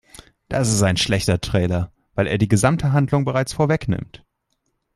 Das ist ein schlechter Trailer, weil er die gesamte Handlung bereits vorwegnimmt.